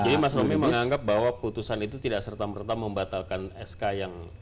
jadi mas romy menganggap bahwa putusan itu tidak serta merta membatalkan sk yang